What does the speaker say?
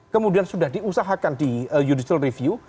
kemudian sudah diusahakan di judicial review